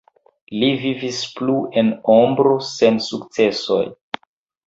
Li vivis plu en "ombro" sen sukcesoj.